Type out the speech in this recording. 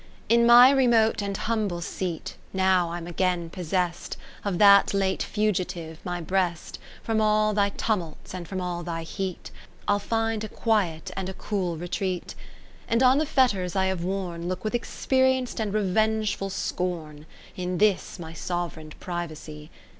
II In my remote and humble seat Now I'm again possest 19 Of that late fugitive, my breast, From all thy tumults and from all thy heat I'll find a quiet and a cool retreat ; And on the fetters I have worn Look with experienc'd and revenge ful scorn, In this my sov'reign privacy.